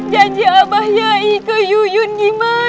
janji abah yai ke yuyun gima